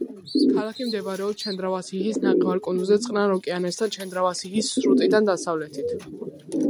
ქალაქი მდებარეობს ჩენდრავასიჰის ნახევარკუნძულზე წყნარ ოკეანესთან, ჩენდრავასიჰის სრუტიდან დასავლეთით.